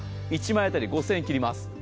１枚当たり５０００円を切ります。